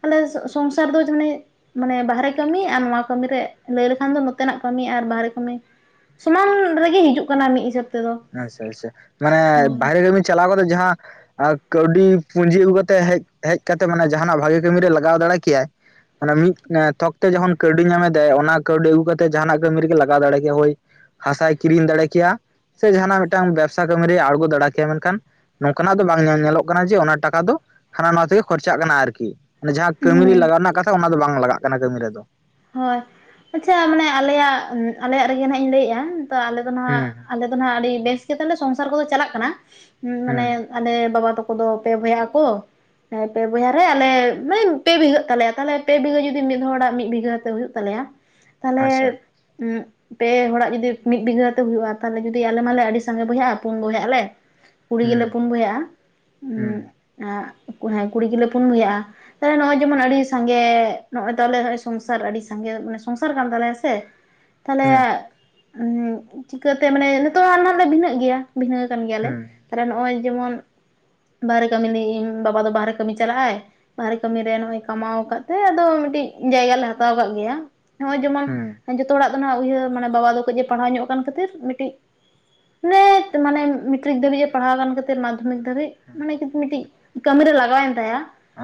ᱛᱟᱦᱟᱞᱮ ᱥᱚᱝᱥᱟᱨ ᱫᱚ [unintelligible] ᱢᱟᱱᱮ ᱵᱟᱦᱨᱮ ᱠᱟᱹᱢᱤ ᱟᱨ ᱱᱚᱣᱟ ᱠᱟᱹᱢᱤ ᱨᱮ ᱞᱟᱹᱭ ᱞᱮᱠᱷᱟᱱ ᱫᱚ ᱱᱚᱛᱮᱱᱟᱜ ᱠᱟᱹᱢᱤ ᱟᱨ ᱵᱟᱦᱨᱮ ᱠᱟᱹᱢᱤ ᱥᱚᱢᱟᱱ ᱨᱮᱜᱮ ᱦᱤᱡᱩᱜ ᱠᱟᱱᱟ ᱢᱤᱫ ᱦᱤᱥᱟᱹᱵ ᱛᱮᱫᱚ᱾ ᱟᱪᱪᱷᱟ ᱟᱪᱪᱷᱟ ᱢᱟᱱᱮ ᱦᱳᱭ ᱵᱟᱦᱨᱮ ᱠᱟᱹᱢᱤ ᱪᱟᱞᱟᱣ ᱠᱟᱛᱮᱜ ᱡᱟᱦᱟᱸ ᱟᱨ ᱠᱟᱹᱣᱰᱤ ᱯᱩᱸᱡᱤ ᱟᱹᱜᱩ ᱠᱟᱛᱮᱜ ᱦᱮᱡ ᱦᱮᱡ ᱠᱟᱛᱮᱜ ᱢᱟᱱᱮ ᱡᱟᱦᱟᱱᱟᱜ ᱵᱷᱟᱜᱮ ᱠᱟᱹᱢᱤ ᱨᱮ ᱞᱟᱜᱟᱣ ᱫᱟᱲᱮ ᱠᱮᱭᱟᱭ ᱚᱱᱮ ᱢᱤᱫ ᱛᱷᱚᱠ ᱛᱮ ᱡᱚᱠᱷᱚᱱ ᱠᱟᱹᱣᱰᱤ ᱧᱟᱢᱮᱫᱟᱭ ᱚᱱᱟ ᱠᱟᱹᱣᱰᱤ ᱟᱹᱜᱩ ᱠᱟᱛᱮ ᱡᱟᱦᱟᱱᱟᱜ ᱠᱟᱹᱢᱤ ᱨᱮᱜᱮ ᱞᱟᱜᱟᱣ ᱫᱟᱲᱮ ᱠᱮᱭᱟ ᱦᱳᱭ᱾ ᱦᱟᱥᱟᱭ ᱠᱤᱨᱤᱧ ᱫᱟᱲᱮ ᱠᱮᱭᱟ, ᱥᱮ ᱡᱟᱦᱟᱱᱟᱜ ᱢᱤᱫᱴᱟᱝ ᱵᱮᱵᱽᱥᱟ ᱠᱟᱹᱢᱤᱨᱮ ᱟᱬᱜᱚ ᱫᱟᱲᱮ ᱠᱮᱭᱟ ᱢᱮᱱᱠᱷᱟᱱ ᱱᱚᱝᱠᱟᱱᱟᱜ ᱫᱚ ᱵᱟᱝ ᱧᱮᱞ ᱧᱮᱞᱚᱜ ᱠᱟᱱᱟ ᱡᱮ ᱚᱱᱟ ᱴᱟᱠᱟ ᱫᱚ ᱦᱟᱱᱟ ᱱᱟᱣᱟ ᱛᱮᱜᱮ ᱠᱷᱚᱨᱪᱟᱜ ᱠᱟᱱᱟ ᱟᱨᱠᱤ᱾ ᱢᱟᱱᱮ ᱡᱟᱦᱟᱸ ᱠᱟᱹᱢᱤ ᱨᱮ ᱦᱮᱸ ᱞᱟᱜᱟᱣ ᱨᱮᱱᱟᱜ ᱠᱟᱛᱷᱟ ᱚᱱᱟ ᱫᱚ ᱵᱟᱝ ᱞᱟᱜᱟᱜ ᱠᱟᱱᱟ ᱠᱟᱹᱢᱤ ᱨᱮᱫᱚ᱾ ᱦᱳᱭ ᱟᱪᱪᱷᱟ ᱢᱟᱱᱮ ᱟᱞᱮᱭᱟᱜ ᱟᱞᱮᱭᱟᱜ ᱨᱮᱜᱮ ᱱᱟᱜ ᱤᱧ ᱞᱟᱹᱭᱮᱜ-ᱟ, ᱛᱚ ᱟᱞᱮ ᱫᱚ ᱱᱟᱜ ᱦᱩᱸ ᱟᱞᱮ ᱫᱚ ᱱᱟᱜ ᱟᱹᱰᱤ ᱵᱮᱥ ᱜᱮᱛᱟᱞᱮ ᱥᱚᱝᱥᱟᱨ ᱠᱚᱫᱚ ᱪᱟᱞᱟᱜ ᱠᱟᱱᱟ ᱢᱟᱱᱮ ᱦᱩᱸ ᱟᱞᱮ ᱵᱟᱵᱟ ᱛᱟᱠᱚ ᱫᱚ ᱯᱮ ᱵᱚᱭᱦᱟᱜ ᱟᱠᱚ᱾ ᱦᱮᱸ ᱯᱮ ᱵᱚᱭᱦᱟᱨ ᱨᱮ ᱟᱞᱮ ᱢᱟᱱᱮ ᱯᱮ ᱵᱤᱜᱷᱟᱹᱜ ᱛᱟᱞᱮᱭ-ᱟ ᱛᱟᱦᱟᱞᱮ ᱯᱮ ᱵᱤᱜᱷᱟᱹ ᱡᱩᱫᱤ ᱢᱤᱫ ᱦᱚᱲᱟᱜ ᱢᱤᱫ ᱵᱤᱜᱷᱟᱹ ᱦᱩᱭᱩᱜ ᱛᱟᱞᱮᱭᱟ ᱛᱟᱦᱞᱮ ᱟᱪᱪᱷᱟ ᱯᱮ ᱦᱚᱲᱟᱜ ᱡᱩᱫᱤ ᱢᱤᱫ ᱵᱤᱜᱷᱟᱹ ᱛᱮ ᱦᱩᱭᱩᱜ-ᱟ ᱛᱟᱦᱞᱮ ᱡᱩᱫᱤ ᱟᱞᱮ ᱢᱟᱞᱮ ᱟᱹᱰᱤ ᱥᱟᱸᱜᱮ ᱵᱚᱭᱦᱟᱜ-ᱟ ᱯᱩᱱ ᱵᱚᱭᱦᱟᱜ ᱟᱞᱮ, ᱠᱩᱲᱤ ᱦᱩᱸ ᱜᱮᱞᱮ ᱯᱩᱱ ᱵᱚᱭᱦᱟᱜ-ᱟ, ᱦᱩᱸ ᱦᱮᱸ ᱠᱩᱲᱤ ᱜᱮᱞᱮ ᱯᱩᱱ ᱵᱚᱭᱦᱟᱜ-ᱟ᱾ ᱛᱟᱦᱞᱮ ᱱᱚᱜ-ᱚᱭ ᱡᱮᱢᱚᱱ ᱟᱹᱰᱤ ᱥᱟᱸᱜᱮ ᱱᱚᱜ-ᱚᱭ ᱛᱟᱞᱮ ᱥᱚᱝ ᱥᱟᱨ ᱟᱹᱰᱤ ᱥᱟᱸᱜᱮ ᱢᱟᱱᱮ ᱥᱚᱝᱥᱟᱨ ᱠᱟᱱ ᱛᱟᱞᱮᱭᱟᱥᱮ ᱛᱟᱦᱞᱮ ᱦᱩᱸ ᱦᱮᱸ ᱪᱤᱠᱟᱹᱛᱮ ᱢᱟᱱᱮ ᱱᱤᱛᱚᱜ ᱱᱟᱜ ᱦᱟᱸᱜ ᱞᱮ ᱵᱷᱤᱱᱟᱹᱜ ᱜᱮᱭᱟ ᱵᱷᱤᱱᱟᱹ ᱠᱟᱱ ᱜᱮᱭᱟᱞᱮ, ᱦᱩᱸ ᱛᱟᱦᱚᱞᱮ ᱱᱚᱜ-ᱚᱭ ᱡᱮᱢᱚᱱ ᱵᱟᱦᱨᱮ ᱠᱟᱹᱢᱤ [unintelligible] ᱤᱧ ᱵᱟᱵᱟ ᱫᱚ ᱵᱟᱦᱨᱮ ᱠᱟᱹᱢᱤ ᱪᱟᱞᱟᱜ-ᱟᱭ ᱵᱟᱦᱨᱮ ᱠᱟᱹᱢᱤ ᱨᱮ ᱱᱚᱜ-ᱚᱭ ᱠᱟᱢᱟᱣ ᱠᱟᱫ ᱛᱮ ᱟᱫᱚ ᱢᱤᱫᱴᱤᱡ ᱡᱟᱭᱜᱟ ᱞᱮ ᱦᱟᱛᱟᱣ ᱠᱟᱜ ᱜᱮᱭᱟᱢ ᱱᱚᱜ-ᱚᱭ ᱡᱮᱢᱚᱱ ᱦᱩᱸ ᱡᱚᱛᱚ ᱦᱚᱲᱟᱜ ᱤᱧᱟᱹᱜ ᱤᱭᱦᱟᱹᱨ ᱢᱟᱱᱮ ᱵᱟᱵᱟ ᱫᱚ ᱠᱟᱹᱡᱮ ᱯᱟᱲᱦᱟᱣ ᱧᱚᱜ ᱠᱟᱱ ᱠᱷᱟᱹᱛᱤᱨ ᱢᱤᱴᱤᱡ [unintelligible] ᱢᱟᱱᱮ ᱢᱮᱴᱨᱤᱠ ᱫᱷᱟᱹᱵᱤᱡᱮ ᱯᱟᱲᱦᱟᱣ ᱞᱮᱱ ᱢᱟᱫᱽᱫᱷᱚᱢᱤᱠ ᱫᱷᱟᱹᱨᱤᱡ ᱢᱟᱱᱮ ᱢᱤᱫᱴᱤᱡ ᱠᱟᱹᱢᱤᱨᱮ ᱞᱟᱜᱟᱣᱮᱱ ᱛᱟᱭᱟ,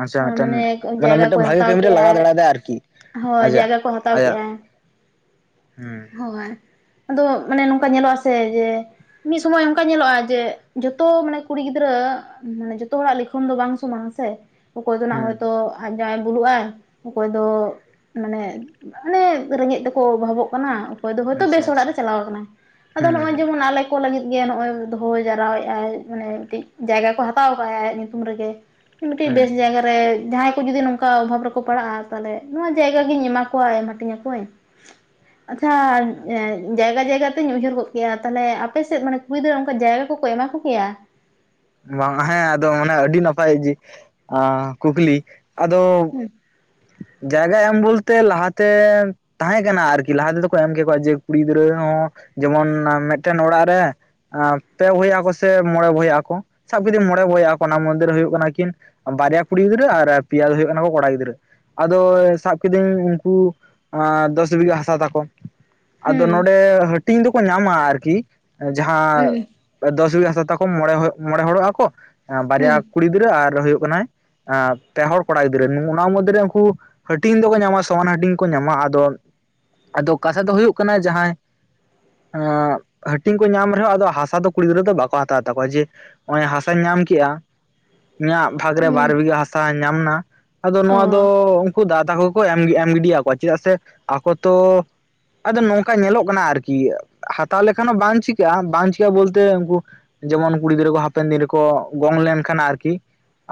ᱟᱪᱪᱷᱟ ᱦᱮᱸ ᱢᱤᱫᱴᱮᱱ ᱢᱟᱱᱮ ᱢᱟᱱᱮ ᱡᱟᱭᱜᱟ ᱢᱤᱫᱴᱮᱱ ᱠᱚᱭ ᱵᱷᱟᱜᱮ ᱦᱟᱛᱟᱣ ᱠᱟᱹᱢᱤ ᱠᱮ ᱨᱮ ᱞᱟᱜᱟᱣ ᱟᱭ, ᱫᱟᱲᱮᱭᱟᱫᱟᱭ ᱟᱨᱠᱤ ᱦᱳᱭ ᱟᱡᱟᱜ ᱡᱟᱭᱜᱟ ᱠᱚ ᱦᱟᱛᱟᱣ ᱟᱭᱟᱜ ᱠᱮᱫ-ᱟᱭ ᱦᱩᱸ ᱦᱳᱭ᱾ ᱟᱫᱚ ᱢᱟᱱᱮ ᱱᱚᱝᱠᱟ ᱧᱮᱞᱚᱜ ᱟᱥᱮ ᱡᱮ ᱢᱤᱫ ᱥᱚᱢᱚᱭ ᱚᱱᱠᱟ ᱧᱮᱞᱚᱜ-ᱟ ᱡᱮ ᱡᱚᱛᱚ ᱢᱟᱱᱮ ᱠᱩᱲᱤ ᱜᱤᱫᱽᱨᱟᱹ ᱢᱟᱱᱮ ᱡᱚᱛᱚ ᱦᱚᱲᱟᱜ ᱞᱤᱠᱷᱚᱱ ᱫᱚ ᱵᱟᱝ ᱥᱚᱢᱟᱱᱟ ᱥᱮ ᱾ ᱚᱠᱚᱭ ᱫᱚ ᱱᱟᱦᱟᱜ ᱦᱩᱸ ᱦᱚᱭᱛᱚ ᱟᱡ ᱡᱟᱣᱟᱭ ᱵᱩᱞᱩ ᱟᱭ ᱚᱠᱚᱭ ᱫᱚ ᱢᱟᱱᱮ ᱚᱱᱮ ᱨᱮᱸᱜᱮᱡ ᱛᱮᱠᱚ ᱚᱵᱷᱟᱵᱚᱜ ᱠᱟᱱᱟ᱾ ᱚᱠᱚᱭ ᱫᱚ ᱦᱳᱭᱛᱚ ᱟᱪᱪᱷᱟ ᱵᱮᱥ ᱚᱲᱟᱜ ᱟᱪᱪᱷᱟ ᱨᱮ ᱪᱟᱞᱟᱣ ᱟᱠᱟᱱᱟᱭ ᱟᱫᱚ ᱦᱩᱸ ᱱᱚ-ᱚᱭ ᱦᱩᱸ ᱡᱮᱢᱚᱱ ᱟᱞᱮ, [unintelligible] ᱞᱟᱹᱜᱤᱫ ᱜᱮ ᱱᱚᱜ-ᱚᱭ ᱫᱚᱦᱚ ᱡᱟᱣᱨᱟ ᱭᱮᱟᱭ ᱢᱟᱱᱮ ᱢᱤᱴᱤᱡ ᱡᱟᱭᱜᱟ ᱠᱚ ᱦᱟᱛᱟᱣ ᱟᱠᱟᱫ ᱟᱭ ᱟᱭᱟᱜ ᱧᱩᱛᱩᱢ ᱨᱮᱜᱮ᱾ ᱢᱤᱴᱮᱡ ᱵᱮᱥ ᱦᱩᱸ ᱡᱟᱭᱜᱟᱨᱮ ᱡᱟᱦᱟᱸᱭ ᱠᱚ ᱡᱩᱫᱤ ᱱᱚᱝᱠᱟ ᱚᱵᱷᱟᱵ ᱨᱮᱠᱚ ᱯᱟᱲᱟᱜ-ᱟ ᱛᱟᱦᱚᱞᱮ ᱱᱚᱣᱟ ᱡᱟᱭᱜᱟ ᱜᱤᱧ ᱮᱢᱟ ᱠᱚᱣᱟ ᱮᱢ ᱦᱟᱹᱴᱤᱧ ᱟᱠᱚᱣᱤᱧ ᱟᱪᱪᱷᱟ ᱟᱪᱪᱷᱟ ᱡᱟᱭᱜᱟ ᱡᱟᱭᱜᱟ ᱛᱤᱧ ᱩᱭᱦᱟᱹᱨ ᱜᱚᱜ ᱠᱮᱟ ᱛᱟᱦᱚᱞᱮ ᱟᱯᱮ ᱥᱮᱫ ᱢᱟᱱᱮ ᱠᱩᱲᱤ ᱜᱤᱫᱽᱨᱟᱹ ᱠᱚ ᱚᱱᱠᱟ ᱡᱟᱭᱜᱟ ᱠᱚᱠᱚ ᱮᱢᱟ ᱠᱚ ᱜᱮᱭᱟ, ᱵᱟᱝ ᱦᱮᱸ ᱟᱫᱚ ᱢᱟᱱᱮ ᱟᱹᱰᱤ ᱱᱟᱯᱟᱭ ᱤᱡᱤ ᱠᱩᱠᱞᱤ ᱟᱫᱚ ᱦᱩᱸ ᱡᱟᱭᱜᱟ ᱮᱢ ᱵᱚᱞᱛᱮ ᱞᱟᱦᱟᱛᱮ ᱛᱟᱦᱮᱸ ᱠᱟᱱᱟ ᱟᱨᱠᱤ ᱞᱟᱦᱟ ᱛᱮᱫᱚ ᱠᱚ ᱮᱢ ᱠᱮ ᱠᱚᱣᱟ ᱡᱮ ᱠᱩᱲᱤ ᱜᱤᱫᱽᱨᱟᱹ ᱦᱚᱸ ᱡᱮᱢᱚᱱ ᱢᱮᱴᱮᱱ ᱚᱲᱟᱜ ᱨᱮ ᱾ ᱟᱨ ᱯᱮ ᱵᱚᱭᱦᱟ ᱟᱠᱚ ᱥᱮ ᱢᱚᱬᱮ ᱵᱚᱭᱦᱟ ᱟᱠᱚ? ᱥᱟᱵ ᱠᱮᱫᱤᱧ ᱢᱚᱬᱮ ᱵᱚᱭᱦᱟ ᱚᱠᱚ ᱚᱱᱟ ᱢᱚᱫᱷᱮ ᱨᱮ ᱦᱩᱭᱩᱜ ᱠᱟᱱᱟ ᱠᱤᱱ ᱵᱟᱨᱭᱟ ᱠᱩᱲᱤ ᱜᱤᱫᱽᱨᱟᱹ ᱟᱨ ᱯᱮᱭᱟ ᱫᱚ ᱦᱩᱭᱩᱜ ᱠᱟᱱᱟ ᱠᱚ ᱠᱚᱲᱟ ᱜᱤᱫᱽᱨᱟᱹ, ᱟᱫᱚ ᱥᱟᱵ ᱠᱤᱫᱤᱧ ᱩᱱᱠᱩ ᱫᱚᱥ ᱵᱤᱜᱷᱟᱹ ᱦᱟᱥᱟ ᱛᱟᱠᱚ, ᱟᱫᱚ ᱦᱩᱸ ᱱᱚᱸᱰᱮ ᱦᱟᱹᱴᱤᱧ ᱫᱚᱠᱚ ᱧᱟᱢᱟ ᱟᱨᱠᱤ ᱡᱟᱦᱟᱸ ᱦᱩᱸ ᱫᱚᱥ ᱵᱤᱜᱷᱟ ᱦᱟᱥᱟ ᱛᱟᱠᱚ ᱢᱚᱬᱮ ᱢᱚᱬᱮ ᱦᱚᱲᱚᱜ ᱟᱠᱚ ᱮ ᱵᱟᱨᱭᱟ ᱦᱩᱸ ᱠᱩᱲᱤ ᱜᱤᱫᱽᱨᱟᱹ ᱟᱨ ᱦᱩᱭᱩᱜ ᱠᱟᱱᱟᱭ ᱯᱮᱦᱚᱲ ᱠᱚᱲᱟ ᱜᱤᱫᱽᱨᱟᱹ ᱚᱱᱟ ᱢᱚᱫᱽᱫᱷᱮᱨᱮ ᱩᱱᱠᱩ ᱦᱟᱹᱴᱤᱧ ᱫᱚᱠᱚ ᱧᱟᱢᱟ ᱥᱚᱢᱟᱱ ᱦᱟᱹᱴᱤᱧ ᱠᱚ ᱧᱟᱢᱟ ᱟᱫᱚ ᱟᱫᱚ ᱠᱟᱛᱷᱟ ᱫᱚ ᱦᱩᱭᱩᱜ ᱠᱟᱱᱟ ᱡᱟᱸᱦᱟᱭ ᱦᱟᱹᱴᱤᱧ ᱠᱚ ᱧᱟᱢ ᱨᱮᱦᱚᱸ ᱟᱫᱚ ᱦᱟᱥᱟ ᱫᱚ ᱠᱩᱲᱤ ᱜᱤᱫᱽᱨᱟᱹ ᱫᱚ ᱵᱟᱠᱚ ᱦᱟᱛᱟᱣ ᱛᱟᱠᱚᱣᱟ ᱡᱮ ᱚᱱᱮ ᱦᱟᱥᱟᱧ ᱧᱟᱢ ᱠᱮᱜ-ᱟ ᱤᱧᱟᱹᱜ ᱵᱷᱟᱜᱽ ᱨᱮ ᱦᱩᱸ ᱵᱟᱨ ᱵᱤᱜᱷᱟ ᱦᱟᱥᱟ ᱧᱟᱢ ᱮᱱᱟ ᱟᱫᱚ ᱚ ᱱᱚᱣᱟ ᱫᱚ ᱩᱱᱠᱩ ᱫᱟᱫᱟ ᱛᱟᱠᱚ ᱠᱚ ᱮᱢ ᱜᱤᱰᱤᱭ ᱟᱠᱚᱣᱟ ᱪᱮᱫᱟᱜ ᱥᱮ ᱟᱠᱚ ᱛᱚ ᱟᱫᱚ ᱱᱚᱝᱠᱟ ᱧᱮᱞᱚᱜ ᱠᱟᱱᱟ ᱟᱨᱠᱤ ᱦᱟᱛᱟᱣ ᱞᱮᱠᱷᱟᱱ ᱦᱚᱸ ᱵᱟᱝ ᱪᱤᱠᱟᱹᱜ-ᱟ ᱵᱟᱝ ᱪᱤᱠᱟᱹᱜ-ᱟ ᱵᱚᱞᱛᱮ ᱩᱱᱠᱩ ᱡᱮᱢᱚᱱ ᱠᱩᱲᱤ ᱜᱤᱫᱽᱨᱟᱹ ᱠᱚ ᱦᱟᱯᱮᱱ ᱫᱤᱱ ᱨᱮᱠᱚ ᱜᱚᱝ ᱞᱮᱱᱠᱷᱟᱱ ᱟᱨᱠᱤ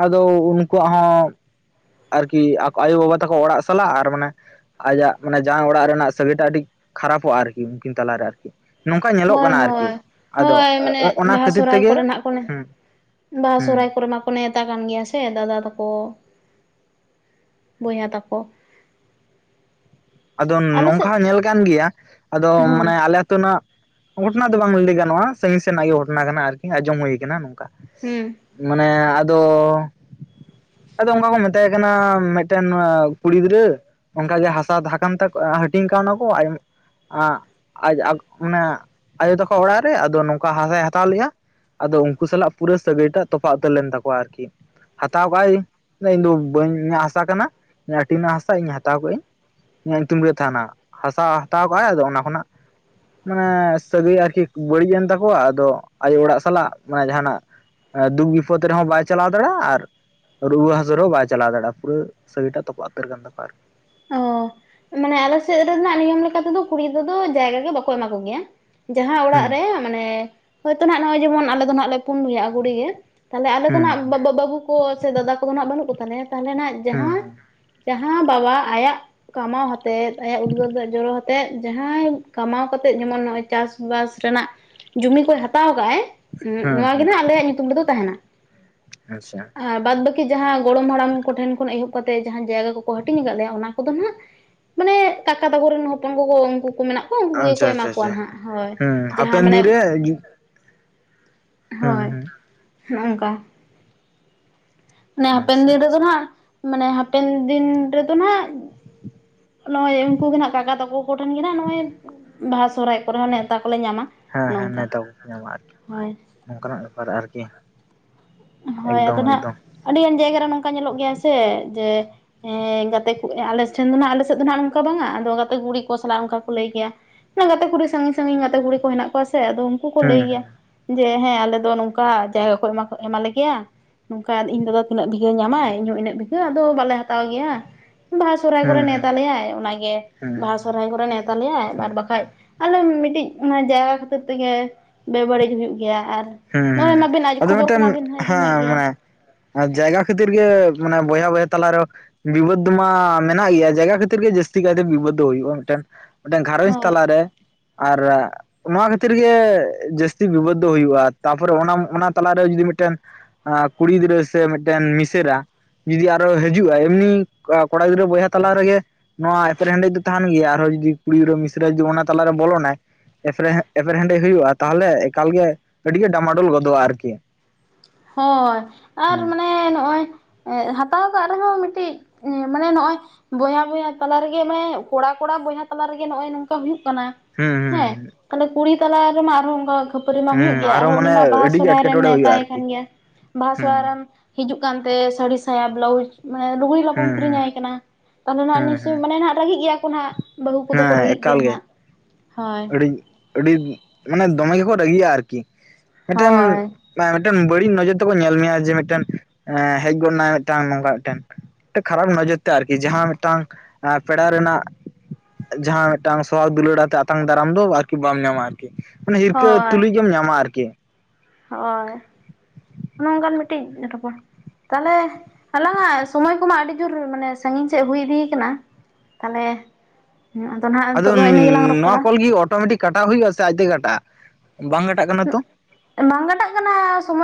ᱟᱫᱚ ᱩᱱᱠᱩᱣᱟᱜ ᱦᱚᱸ ᱟᱨᱠᱤ ᱟᱠᱚ ᱟᱭᱳᱵᱟᱵᱟ ᱛᱟᱠᱚ ᱚᱲᱟᱜ ᱥᱟᱞᱟᱜ ᱟᱨ ᱢᱟᱱᱮ ᱟᱭᱟᱜ ᱢᱟᱱᱮ ᱡᱟᱶᱟᱭ ᱚᱲᱟᱜ ᱨᱮᱱᱟᱜ ᱥᱟᱹᱜᱟᱹᱭ ᱴᱟᱜ ᱟᱹᱰᱤ ᱠᱷᱟᱨᱟᱯᱚᱜ-ᱟ ᱟᱨᱠᱤ ᱩᱱᱠᱤᱱ ᱛᱟᱞᱟᱨᱮ ᱟᱨᱠᱤ᱾ ᱱᱚᱝᱠᱟ ᱧᱮᱞᱚᱜ ᱦᱳᱭ ᱠᱟᱱᱟ ᱟᱨᱠᱤ ᱦᱳᱭ ᱟᱫᱚ ᱚᱱᱟ ᱠᱷᱟᱹᱛᱤᱨ ᱛᱮᱜᱮ᱾ ᱚᱱᱮ ᱦᱩᱸ ᱵᱟᱦᱟ ᱥᱚᱦᱚᱨᱟᱭ ᱦᱩᱸ ᱠᱚᱨᱮ ᱢᱟᱠᱚ ᱱᱮᱶᱛᱟ ᱠᱟᱱ ᱜᱮᱭᱟ ᱥᱮ ᱫᱟᱫᱟ ᱛᱟᱠᱚ᱾ ᱵᱚᱭᱦᱟ ᱛᱟᱠᱚ᱾ ᱟᱫᱚ ᱟᱞᱮ ᱱᱚᱝᱠᱟ ᱥᱮᱫ ᱦᱚᱸ ᱧᱮᱞ ᱠᱟᱱ ᱜᱮᱭᱟ ᱟᱫᱚ ᱦᱚᱸ ᱢᱟᱱᱮ ᱟᱞᱮ ᱟᱹᱛᱩ ᱨᱮᱱᱟᱜ᱾ ᱜᱷᱚᱴᱚᱱᱟ ᱫᱚ ᱵᱟᱝ ᱞᱟᱹᱭ ᱜᱟᱱᱚᱜᱼᱟ ᱥᱟᱺᱜᱤᱧ ᱥᱮᱱᱟᱜ ᱜᱮ ᱜᱷᱚᱴᱚᱱᱟ ᱠᱟᱱᱟ ᱟᱨᱠᱤ ᱟᱸᱡᱚᱢ ᱦᱩᱭ ᱟᱠᱟᱱᱟ ᱱᱚᱝᱠᱟ᱾ ᱦᱩᱸ ᱢᱟᱱᱮ ᱟᱫᱚ ᱟᱫᱚ ᱚᱱᱠᱟ ᱠᱚ ᱢᱮᱛᱟ᱾ ᱛᱟᱦᱮᱸ ᱠᱟᱱᱟ ᱢᱮᱴᱮᱱ ᱠᱩᱲᱤ ᱜᱤᱫᱽᱨᱟᱹ ᱚᱱᱠᱟ ᱜᱮ ᱦᱟᱥᱟ ᱫᱷᱟᱼᱼ ᱠᱟᱱ ᱛᱟᱠᱚᱣᱟ ᱦᱟᱹᱴᱤᱧ ᱠᱟᱣ ᱱᱟ ᱠᱚ᱾ ᱟ ᱟᱡ ᱚᱱᱟ ᱟᱭᱳ ᱛᱟᱠᱚ ᱚᱲᱟᱜ ᱨᱮ ᱟᱫᱚ ᱱᱚᱝᱠᱟ ᱦᱟᱥᱟᱭ ᱦᱟᱛᱟᱣ ᱞᱮᱼᱟ᱾ ᱟᱫᱚ ᱩᱱᱠᱩ ᱥᱟᱞᱟᱜ ᱯᱩᱨᱟᱹ ᱥᱟᱹᱜᱟᱹᱭ ᱴᱟᱜ ᱛᱚᱯᱟᱜ ᱩᱛᱟᱹᱨ ᱞᱮᱱ ᱛᱟᱠᱚᱣᱟ ᱟᱨᱠᱤ ᱾ ᱦᱟᱛᱟᱣ ᱠᱟᱜ ᱤᱧ ᱫᱚ ᱵᱟᱹᱧ ᱦᱟᱥᱟ ᱠᱟᱱᱟ ᱤᱧᱟᱹᱜ ᱦᱟᱹᱴᱤᱧ ᱨᱮᱱᱟᱜ ᱦᱟᱥᱟ ᱤᱧ ᱦᱟᱛᱟᱣ ᱠᱟᱜᱼᱤᱧ ᱾ ᱤᱧᱟᱹᱜ ᱧᱩᱛᱩᱢ ᱨᱮ ᱛᱟᱦᱮᱱᱟ ᱦᱟᱥᱟ ᱦᱟᱛᱟᱣ ᱠᱟᱜᱼ ᱟᱭ ᱟᱫᱚ ᱚᱱᱟ ᱠᱷᱚᱱᱟᱜ᱾ ᱢᱟᱱᱮ ᱥᱟᱹᱜᱟᱹᱭ ᱟᱨᱠᱤ ᱵᱟᱹᱲᱤᱡ ᱮᱱ ᱛᱟᱠᱚᱣᱟ ᱟᱫᱚ ᱟᱭᱳ ᱚᱲᱟᱜ ᱥᱟᱞᱟᱜ ᱢᱟᱱᱮ ᱡᱟᱦᱟᱱᱟᱜ᱾ ᱫᱩᱠ ᱵᱤᱯᱚᱫ ᱨᱮᱦᱚᱸ ᱵᱟᱭ ᱪᱟᱞᱟᱣ ᱫᱟᱲᱮᱭᱟᱜᱼᱟ ᱟᱨ᱾ ᱨᱩᱣᱟᱹ ᱦᱟᱹᱥᱩ ᱨᱮᱦᱚᱸ ᱵᱟᱭ ᱪᱟᱞᱟᱣ ᱫᱟᱲᱮᱭᱟᱜᱼᱟ ᱯᱩᱨᱟᱹ ᱥᱟᱹᱜᱟᱹᱭ ᱴᱟᱜ ᱛᱚᱯᱟᱜ ᱩᱛᱟᱹᱨ ᱠᱟᱱ ᱛᱟᱠᱚᱣᱟ ᱟᱨᱠᱤ ᱾ ᱚ ᱢᱟᱱᱮ ᱟᱞᱮ ᱥᱮᱫ ᱨᱮᱱᱟᱜ ᱱᱤᱭᱚᱢ ᱞᱮᱠᱟ ᱛᱮᱫᱚ, ᱠᱩᱲᱤ ᱜᱤᱫᱽᱨᱟᱹ ᱫᱚ ᱡᱟᱭᱜᱟ ᱜᱮ ᱵᱟᱠᱚ ᱮᱢᱟ ᱠᱚ ᱜᱮᱭᱟ᱾ ᱡᱟᱦᱟᱸ ᱚᱲᱟᱜ ᱦᱩᱸ ᱨᱮ, ᱢᱟᱱᱮ ᱦᱚᱭᱛᱳ ᱱᱟᱜ ᱱᱚᱜᱼᱚᱭ ᱡᱮᱢᱚᱱ ᱟᱞᱮ ᱫᱚ ᱱᱟᱜ ᱞᱮ ᱯᱩᱱ ᱵᱚᱭᱦᱟᱜ-ᱟ ᱠᱩᱲᱤ ᱜᱮ᱾ ᱛᱟᱞᱦᱮ ᱟᱞᱮ ᱫᱚ ᱱᱟᱜ ᱦᱩᱸ ᱵᱟᱹ ᱵᱟᱹ ᱵᱟᱹᱵᱩ ᱠᱚ, ᱥᱮ ᱫᱟᱫᱟ ᱠᱚᱫᱚ ᱱᱟᱜ ᱵᱟᱹᱱᱩᱜ ᱠᱚᱛᱟᱞᱮᱭᱟ᱾ ᱛᱟᱞᱦᱮ ᱱᱟᱜ ᱡᱟᱦᱟᱸ ᱦᱩᱸ ᱡᱟᱦᱟᱸ ᱵᱟᱵᱟ ᱟᱭᱟᱜ ᱠᱟᱢᱟᱣ ᱦᱟᱛᱮᱫ, ᱟᱭᱟᱜ ᱩᱫᱜᱟᱹᱨ ᱫᱟᱜ ᱡᱚᱨᱚ ᱟᱛᱮᱫ ᱡᱟᱦᱟᱸᱭ ᱠᱟᱢᱟᱣ ᱠᱟᱛᱮᱫ᱾ ᱡᱮᱢᱚᱱ ᱱᱚᱜᱼᱚᱭ ᱪᱟᱥᱵᱟᱥ ᱨᱮᱱᱟᱜ ᱡᱚᱢᱤ ᱠᱚᱭ ᱦᱟᱛᱟᱣ ᱠᱟᱜ-ᱟᱭ ᱦᱩᱸ ᱱᱚᱣᱟ ᱜᱮ ᱦᱩᱸ ᱱᱟᱸᱜ ᱟᱞᱮᱭᱟᱜ ᱧᱩᱛᱩᱢ ᱨᱮᱫᱚ ᱛᱟᱦᱮᱸᱱᱟ᱾ ᱟᱪᱪᱷᱟ ᱵᱟᱫ ᱵᱟᱹᱠᱤ ᱡᱟᱦᱟᱸ ᱜᱚᱲᱚᱢ ᱦᱟᱲᱟᱢ ᱠᱚᱴᱷᱮᱱ ᱠᱷᱚᱱ ᱮᱦᱚᱵ ᱠᱟᱛᱮ, ᱡᱟᱦᱟᱸ ᱡᱟᱭᱜᱟ ᱠᱚᱠᱚ ᱦᱟᱹᱴᱤᱧ ᱠᱟᱜ ᱞᱮᱭᱟ ᱚᱱᱟ ᱠᱚᱫᱚ ᱱᱟᱜ ᱢᱟᱱᱮ ᱠᱟᱠᱟ ᱛᱟᱠᱚᱨᱮᱱ ᱦᱚᱯᱚᱱ ᱠᱚᱠᱚ ᱩᱝᱠᱩ ᱠᱚ ᱢᱮᱱᱟᱜ ᱩᱱᱠᱩ ᱜᱮᱠᱚ ᱟᱪᱪᱷᱟ ᱮᱢᱟ ᱟᱪᱪᱷᱟ ᱠᱚᱣᱟ ᱟᱪᱪᱷᱟ ᱦᱟᱜ ᱦᱳᱭ ᱦᱩᱸ ᱡᱟᱦᱟᱸ ᱦᱟᱯᱮᱱ ᱢᱟᱱᱮ ᱫᱤᱱ ᱨᱮ ᱦᱩᱸ ᱦᱳᱭ ᱦᱩᱸ ᱱᱚᱜ-ᱚᱝᱠᱟ᱾ ᱢᱟᱱᱮ ᱦᱟᱯᱮᱱ ᱟᱪᱪᱷᱟ ᱫᱤᱱ ᱨᱮᱫᱚ ᱟᱪᱪᱷᱟ ᱱᱟᱜ, ᱢᱟᱱᱮ ᱦᱟᱯᱮᱱ ᱫᱤᱱ ᱨᱮᱫᱚ ᱱᱟᱜ᱾ ᱱᱚᱜᱼᱚᱭ ᱩᱱᱠᱩ ᱜᱮ ᱱᱟᱜ ᱠᱟᱠᱟ ᱛᱟᱠᱩ ᱠᱚᱴᱷᱮᱱ ᱜᱮ ᱱᱟᱜ ᱱᱚᱜᱼᱚᱭ ᱵᱟᱦᱟ, ᱥᱚᱦᱨᱟᱭ, ᱠᱚᱨᱮ ᱦᱚᱸ ᱱᱮᱣᱛᱟ ᱠᱚᱞᱮ ᱧᱟᱢᱟ᱾ ᱦᱮᱸ ᱚᱱᱮ ᱦᱮᱸ ᱚᱱᱠᱟ ᱱᱮᱣᱛᱟ ᱠᱚᱯᱮ ᱧᱟᱢᱟ, ᱟᱨᱠᱤ ᱦᱳᱭ ᱚᱝᱠᱟᱱᱟᱜ ᱵᱮᱯᱟᱨ ᱟᱨᱠᱤ᱾ ᱦᱳᱭ ᱮᱠᱫᱚᱢ ᱟᱫᱚ ᱱᱟᱜ ᱮᱠᱫᱚᱢ ᱟᱹᱰᱤᱜᱟᱱ ᱡᱟᱭᱜᱟ ᱨᱮ ᱱᱚᱝᱠᱟ ᱧᱮᱞᱚᱜ ᱜᱮᱭᱟ ᱥᱮ, ᱡᱮ ᱦᱮᱸ ᱜᱟᱛᱮ ᱠᱚ ᱟᱞᱮ ᱥᱮᱱ ᱫᱚ ᱱᱟᱜ, ᱟᱞᱮ ᱥᱮᱫ ᱫᱚ ᱱᱟᱜ ᱚᱝᱠᱟ ᱵᱟᱝᱼᱟ᱾ ᱟᱫᱚ ᱜᱟᱛᱮ ᱠᱩᱲᱤ ᱠᱚ ᱥᱟᱞᱟᱜ ᱚᱝᱠᱟ ᱠᱚ ᱞᱟᱹᱭ ᱜᱮᱭᱟ᱾ ᱚᱱᱟ ᱜᱟᱛᱮ ᱠᱩᱲᱤ ᱥᱟᱹᱜᱤᱧ ᱥᱟᱹᱜᱤᱧ ᱜᱟᱛᱮ ᱠᱩᱲᱤ ᱠᱚ ᱦᱮᱱᱟᱜ ᱠᱚᱣᱟ ᱥᱮ᱾ ᱟᱫᱚᱢ ᱩᱱᱠᱩ ᱠᱚ ᱦᱩᱸ ᱞᱟᱹᱭ ᱜᱮᱭᱟ, ᱦᱩᱸ ᱡᱮ ᱦᱮᱸ ᱟᱞᱮ ᱫᱚ ᱱᱚᱝᱠᱟ ᱡᱟᱭᱜᱟ ᱠᱚ ᱮᱢᱟ ᱠᱚ ᱮᱢᱟ ᱞᱮ ᱜᱮᱭᱟ᱾ ᱱᱚᱝᱠᱟ ᱤᱧ ᱫᱟᱫᱟ ᱛᱤᱱᱟᱹᱜ ᱵᱤᱜᱷᱟᱹ ᱧᱟᱢᱟᱭ, ᱤᱧᱦᱚᱸ ᱩᱱᱟᱹᱜ ᱵᱤᱜᱷᱟᱹ ᱟᱫᱚ ᱵᱟᱞᱮ ᱦᱟᱛᱟᱣ ᱜᱮᱭᱟ᱾ ᱵᱟᱦᱟ ᱥᱚᱨᱦᱟᱭ ᱠᱚᱨᱮ ᱦᱩᱸ ᱦᱩᱸ ᱱᱮᱣᱛᱟ ᱞᱮᱭᱟᱭ ᱚᱱᱟᱜᱮ᱾ ᱦᱩᱸ ᱵᱟᱦᱟ ᱦᱩᱸ ᱥᱚᱨᱦᱟᱭ ᱠᱚᱨᱮ ᱱᱮᱣᱛᱟ ᱞᱮᱭᱟᱭ, ᱟᱨ ᱵᱟᱠᱷᱟᱡ ᱟᱞᱚᱢ ᱢᱤᱫᱴᱤᱡ ᱚᱱᱟ ᱡᱟᱭᱜᱟ ᱠᱷᱟᱹᱛᱤᱨ ᱛᱮᱜᱮ᱾ ᱵᱮ ᱵᱟᱹᱲᱤᱡ ᱦᱩᱭᱩᱜ ᱜᱮᱭᱟ᱾ ᱟᱨ ᱱᱚᱜᱼᱚᱭ ᱦᱮᱸ ᱢᱟᱵᱮᱱ ᱟᱡᱚᱢ ᱟᱫᱚ ᱠᱷᱚᱵᱚᱨ᱾ ᱦᱮᱸ ᱢᱤᱫᱴᱮᱱ ᱠᱚᱢᱟᱵᱤᱱ ᱟᱸᱡᱚᱢᱮᱫ ᱜᱮᱭᱟ ᱢᱟᱱᱮ ᱡᱟᱭᱜᱟ ᱠᱷᱟᱹᱛᱤᱨ ᱜᱮ, ᱢᱟᱱᱮ ᱵᱚᱭᱦᱟ ᱵᱚᱭᱦᱟ ᱛᱟᱞᱟᱨᱮ᱾ ᱵᱤᱵᱟᱹᱫ ᱫᱚ ᱢᱟ ᱢᱮᱱᱟᱜ ᱜᱮᱭᱟ ᱡᱟᱭᱜᱟ ᱠᱷᱟᱹᱛᱤᱨ ᱜᱮ ᱡᱟᱹᱥᱛᱤ ᱠᱟᱭᱛᱮ ᱵᱤᱵᱟᱹᱫ ᱫᱚ ᱦᱩᱭᱩᱜᱼᱟ ᱢᱤᱜᱴᱮᱱ᱾ ᱢᱤᱴᱟᱝ ᱜᱷᱟᱨᱚᱸᱡ ᱦᱳᱭ ᱛᱟᱞᱟᱨᱮ᱾ ᱟᱨ ᱱᱚᱣᱟ ᱠᱷᱟᱹᱛᱤᱨ ᱜᱮ ᱡᱟᱹᱥᱛᱤ ᱵᱤᱵᱟᱹᱫ ᱫᱚ ᱦᱩᱭᱩᱜᱼᱟ᱾ ᱛᱟᱨᱯᱚᱨᱮ ᱚᱱᱟ ᱚᱱᱟ ᱛᱟᱞᱟᱨᱮ ᱡᱩᱫᱤ ᱢᱤᱜᱴᱮᱱ ᱠᱩᱲᱤ ᱜᱤᱫᱽᱨᱟᱹ, ᱥᱮ ᱢᱤᱜᱴᱮᱱ ᱢᱤᱥᱮᱨᱟ᱾ ᱡᱩᱫᱤ ᱟᱨᱚᱭ ᱦᱤᱡᱩᱜᱼᱟ, ᱮᱢᱱᱤ ᱠᱚᱲᱟ ᱜᱤᱫᱽᱨᱟᱹ ᱵᱚᱭᱦᱟ ᱛᱟᱞᱟ ᱨᱮᱜᱮ᱾ ᱱᱚᱣᱟ ᱮᱯᱮᱨᱦᱮᱰᱮᱡ ᱫᱚ ᱛᱟᱦᱮᱱ ᱜᱮᱭᱟ, ᱟᱨᱦᱚᱸ ᱡᱩᱫᱤ ᱠᱩᱲᱤ ᱜᱤᱫᱽᱨᱟᱹ ᱢᱤᱥᱨᱟ ᱡᱩᱫᱤ ᱚᱱᱟ ᱛᱟᱞᱟᱨᱮ ᱵᱚᱞᱚᱱᱟᱭ᱾ ᱮᱯᱮᱨ ᱮᱯᱮᱨᱦᱮᱸᱰᱮᱡ ᱦᱩᱭᱩᱜᱼᱟ, ᱛᱟᱦᱚᱸᱞᱮ ᱮᱠᱟᱞ ᱜᱮ ᱟᱹᱰᱤᱜᱮ ᱰᱟᱢᱟᱰᱳᱞ ᱜᱚᱫᱚᱜᱼᱟ ᱟᱨᱠᱤ᱾ ᱦᱚᱭ ᱟᱨ ᱦᱮᱸ ᱢᱟᱱᱮ ᱱᱚᱜᱼᱚᱭ ᱦᱟᱛᱟᱣ ᱠᱟᱜ ᱨᱮᱦᱚᱸ ᱢᱤᱜᱴᱤᱡ ᱢᱟᱱᱮ ᱱᱚᱜᱼᱚᱭ ᱵᱚᱭᱦᱟ ᱵᱚᱭᱦᱟ ᱛᱟᱞᱟ ᱨᱮᱜᱮ ᱢᱟᱱᱮ ᱠᱚᱲᱟ ᱠᱚᱲᱟ ᱵᱚᱭᱦᱟ ᱛᱟᱞᱟ ᱨᱮᱜᱮ ᱱᱚᱜᱼᱚᱭ ᱱᱚᱝᱠᱟ ᱦᱩᱭᱩᱜ ᱠᱟᱱᱟ᱾ ᱦᱮᱸ ᱦᱩᱸ᱾ ᱦᱮᱸ᱾ ᱛᱟᱦᱞᱮ ᱠᱩᱲᱤ ᱛᱟᱞᱟ ᱨᱮᱢᱟ ᱟᱨᱦᱚᱸ ᱚᱝᱠᱟ ᱠᱷᱟᱹᱯᱟᱹᱨᱤ ᱢᱟ ᱦᱩᱭᱩᱜ ᱦᱩᱸ ᱜᱮᱭᱟ, ᱟᱨᱚ ᱟᱨᱦᱚᱸ ᱩᱱᱤ ᱢᱟᱱᱮ ᱢᱟ ᱵᱟᱦᱟ ᱟᱹᱰᱤ ᱜᱮ ᱥᱚᱨᱦᱟᱭ ᱨᱮᱢ ᱮᱴᱠᱮᱴᱚᱬᱮ ᱦᱩᱭᱩᱜᱼᱟ ᱱᱮᱣᱛᱟᱭᱮ ᱟᱨᱠᱤ ᱜᱮᱭᱟ᱾ ᱵᱟᱦᱟ ᱦᱩᱸ ᱥᱚᱦᱚᱨᱟᱭ ᱨᱮᱢ, ᱦᱤᱡᱩᱜ ᱠᱟᱱᱛᱮ ᱥᱟᱹᱲᱤ, ᱥᱟᱭᱟ, ᱵᱞᱟᱭᱩᱡ, ᱢᱟᱱᱮ ᱞᱩᱜᱽᱲᱤ ᱞᱟᱯᱚᱢ ᱦᱩᱸ ᱠᱤᱨᱤᱧ ᱦᱩᱸ ᱟᱭ ᱠᱟᱱᱟ᱾ ᱛᱟᱦᱚᱞᱮ ᱱᱟᱜ ᱦᱩᱸ ᱱᱤᱥᱪᱳᱭ ᱦᱩᱸ ᱢᱟᱱᱮ ᱱᱟᱦᱟᱸᱜ ᱨᱟᱹᱜᱤᱜ ᱜᱮᱭᱟ ᱠᱚ ᱱᱟᱦᱟᱸᱜ᱾ ᱵᱟᱹᱦᱩ ᱠᱚᱫᱚ ᱦᱮᱸ ᱠᱚ ᱨᱟᱹᱜᱤᱜ ᱜᱮᱭᱟ ᱮᱠᱟᱞ ᱜᱮ ᱱᱟᱦᱟᱸᱜ᱾ ᱦᱳᱭ᱾ ᱟᱹᱰᱤ ᱟᱹᱰᱤ ᱢᱟᱱᱮ ᱫᱚᱢᱮ ᱜᱮᱠᱚ ᱨᱟᱹᱜᱤᱜᱼᱟ ᱟᱨᱠᱤ᱾ ᱢᱮᱫᱴᱮᱱ ᱦᱳᱭ ᱢᱟᱭ ᱢᱮᱜᱴᱮᱱ ᱵᱟᱹᱲᱤᱡ ᱱᱚᱡᱚᱨ ᱛᱮᱠᱚ ᱧᱮᱞ ᱢᱮᱭᱟ, ᱡᱮ ᱢᱮᱜᱴᱮᱱ ᱦᱮᱡ ᱜᱚᱫᱱᱟᱭ ᱢᱮᱜᱴᱟᱝ ᱱᱚᱝᱠᱟ ᱢᱮᱜᱴᱮᱱ᱾ ᱴᱮ ᱠᱷᱟᱨᱟᱯ ᱱᱚᱡᱚᱨ ᱛᱮ ᱟᱨᱠᱤ᱾ ᱡᱟᱦᱟᱸ ᱢᱤᱜᱴᱟᱝ ᱟ ᱯᱮᱲᱟ ᱨᱮᱱᱟᱜ ᱡᱟᱦᱟᱸ ᱢᱤᱜᱴᱟᱝ ᱥᱚᱦᱟᱠ ᱫᱩᱞᱟᱹᱲᱟᱛᱮ ᱟᱛᱟᱝ ᱫᱟᱨᱟᱢ ᱫᱚ ᱟᱨᱠᱤ ᱵᱟᱢ ᱧᱟᱢᱟ ᱟᱨᱠᱤ᱾ ᱢᱟᱱᱮ ᱦᱤᱨᱠᱟᱹ ᱦᱳᱭ ᱛᱩᱞᱩᱡ ᱜᱮᱢ ᱧᱟᱢᱟ ᱟᱨᱠᱤ᱾ ᱦᱳᱭ ᱚᱱᱮ ᱚᱝᱠᱟᱱ ᱢᱤᱫᱴᱤᱡ ᱨᱚᱯᱚᱲ᱾ ᱛᱟᱦᱚᱞᱮ ᱟᱞᱟᱝᱟᱜ ᱥᱚᱢᱚᱭ ᱠᱚᱢᱟ ᱟᱹᱰᱤ ᱡᱩᱨ ᱢᱟᱱᱮ ᱥᱟᱹᱜᱤᱧ ᱥᱮᱜ ᱦᱩᱭ ᱤᱫᱤᱭ ᱠᱟᱱᱟ᱾ ᱛᱟᱞᱦᱮ ᱟᱫᱚ ᱱᱟᱦᱟᱜ ᱟᱫᱚ ᱱᱚᱣᱟ ᱠᱚ ᱨᱚᱯᱚᱲᱟ ᱠᱚᱞ ᱜᱤ ᱚᱴᱚᱢᱮᱴᱤᱠ ᱠᱟᱴᱟᱣ ᱦᱩᱭᱩᱜᱼᱟ ᱥᱮ ᱟᱡ ᱛᱮᱜᱮ ᱠᱟᱴᱟᱜᱼᱟ᱾ ᱵᱟᱝ ᱠᱟᱴᱟᱜ ᱠᱟᱱᱟ ᱛᱚ᱾ ᱵᱟᱝ ᱠᱟᱴᱟᱜ ᱠᱟᱱᱟ᱾ ᱥᱚᱢᱚᱭ